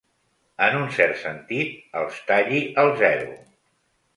En un cert sentit, els talli al zero.